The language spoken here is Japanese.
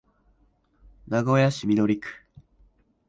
名古屋市緑区